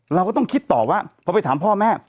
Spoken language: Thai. เราก็ต้องคิดต่อว่าพอไปถามพ่อแม่